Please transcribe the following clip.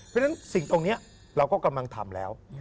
เพราะฉะนั้นสิ่งตรงนี้เราก็กำลังทำแล้ว